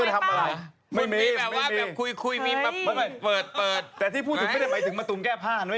จะมีอะไรผม